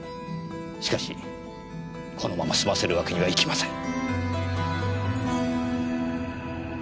しかしこのまますませるわけにはいきません。